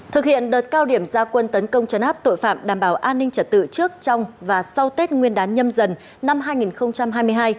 thực hiện đợt cao điểm gia quân tấn công chấn áp tội phạm đảm bảo an ninh trật tự trước trong và sau tết nguyên đán nhâm dần năm hai nghìn hai mươi hai